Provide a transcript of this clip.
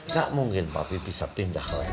gak mungkin papi bisa pindah ke lain lain